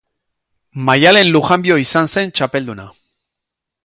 Maialen Lujanbio izan zen txapelduna.